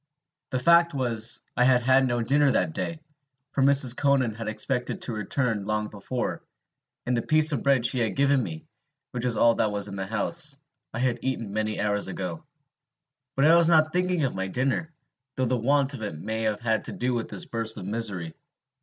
The fact was, I had had no dinner that day, for Mrs. Conan had expected to return long before; and the piece of bread she had given me, which was all that was in the house, I had eaten many hours ago. But I was not thinking of my dinner, though the want of it may have had to do with this burst of misery.